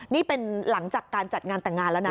นี่เป็นหลังจากการจัดงานแต่งงานแล้วนะ